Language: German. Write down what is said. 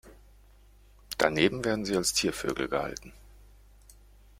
Daneben werden sie als Ziervögel gehalten.